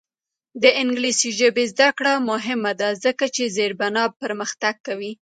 د انګلیسي ژبې زده کړه مهمه ده ځکه چې زیربنا پرمختګ کوي.